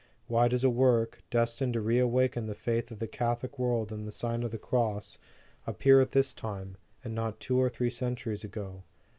Why does a work, destined to reawaken the faith of the Catholic world in the Sign of the Cross, appear at this time, and not two or three centuries ago?